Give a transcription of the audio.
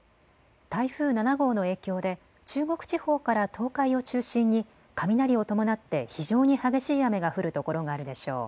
台風７号の影響で中国地方から東海を中心に雷を伴って非常に激しい雨が降る所があるでしょう。